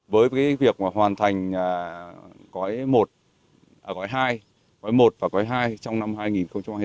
với việc hoàn thành quái một và quái hai trong năm hai nghìn hai mươi bốn